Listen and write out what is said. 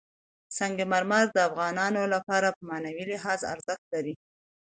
سنگ مرمر د افغانانو لپاره په معنوي لحاظ ارزښت لري.